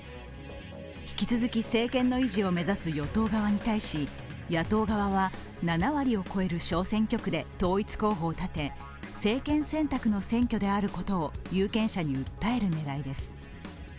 引き続き政権の維持を目指す与党側に対し野党側は、７割を超える小選挙区で統一候補を立て、政権選択の選挙であることを有権者に訴える狙いです。